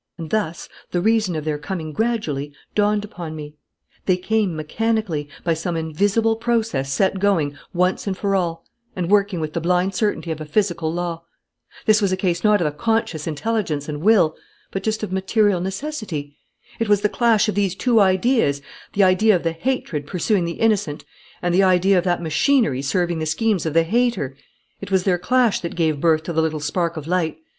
And thus the reason of their coming gradually dawned upon me: they came mechanically, by some invisible process set going once and for all and working with the blind certainty of a physical law. This was a case not of a conscious intelligence and will, but just of material necessity.... It was the clash of these two ideas the idea of the hatred pursuing the innocent and the idea of that machinery serving the schemes of the 'hater' it was their clash that gave birth to the little spark of light.